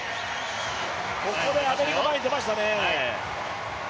ここでアメリカ、前に出ましたね。